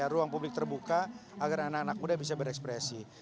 ruang publik terbuka agar anak anak muda bisa berekspresi